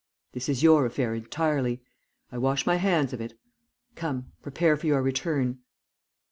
This is your affair entirely; I wash my hands of it. Come, prepare for your return.'